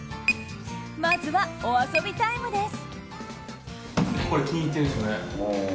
まずは、お遊びタイムです。